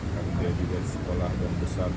dan dia juga dari sekolah dan pusat